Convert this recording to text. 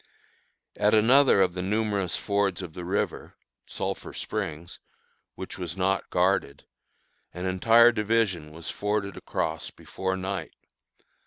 At another of the numerous fords of the river (Sulphur Springs), which was not guarded, an entire division was forded across before night.